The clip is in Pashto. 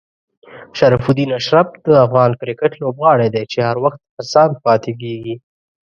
شرف الدین اشرف د افغان کرکټ لوبغاړی دی چې هر وخت هڅاند پاتې کېږي.